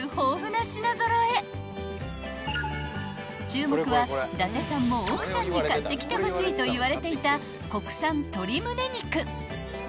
［注目は伊達さんも奥さんに買ってきてほしいと言われていた］